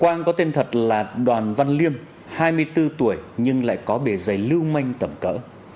quang có tên thật là đoàn văn liêm hai mươi bốn tuổi nhưng lại có bề dày lưu manh tẩm cỡ